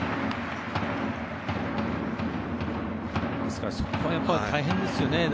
ですから、そこはやっぱり大変ですよね。